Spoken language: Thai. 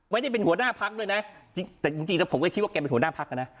ไม่ได้เป็นหัวหน้าพักด้วยนะจริงแต่จริงแล้วผมก็คิดว่าแกเป็นหัวหน้าพักนะ